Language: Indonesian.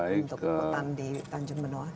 untuk hutan di tanjung benoa